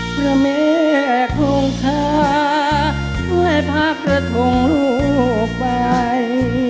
พระเมฆของข้าให้พากระทงลูกไป